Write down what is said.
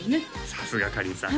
さすがかりんさん